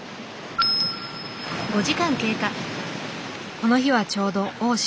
この日はちょうど大潮。